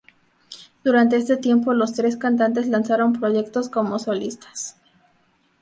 Durante este tiempo los tres cantantes lanzaron proyectos como solistas.